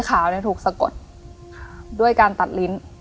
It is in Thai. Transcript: ขาวเนี่ยถูกสะกดด้วยการตัดลิ้น